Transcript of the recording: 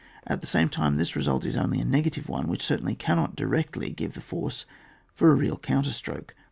At the same time this result is only a negative one, which certainly cannot directly give the force for a real counterstroke.